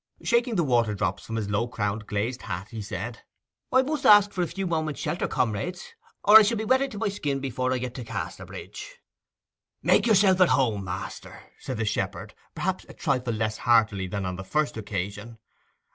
Shaking the water drops from his low crowned glazed hat, he said, 'I must ask for a few minutes' shelter, comrades, or I shall be wetted to my skin before I get to Casterbridge.' 'Make yourself at home, master,' said the shepherd, perhaps a trifle less heartily than on the first occasion.